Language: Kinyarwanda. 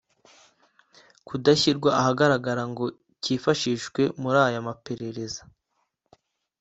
kadashyirwa ahagaragara ngo kifashishwe muri aya maperereza